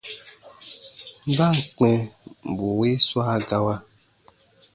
Ba ǹ kpɛ̃ bù wii swa gawa,